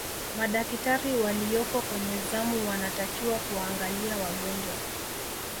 madakitari waliyopo kwenye zamu wanatakiwa kuwaangalia wagonjwa